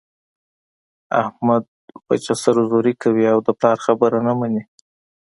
احمد وچه سر زوري کوي او د پلار خبره نه مني.